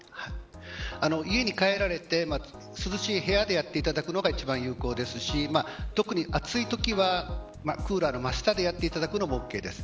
家に帰られて涼しい部屋でやっていただくのが一番有効ですし特に、暑いときはクーラーの真下でやっていただくのもＯＫです。